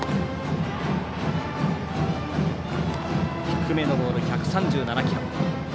低めのボール、１３７キロ。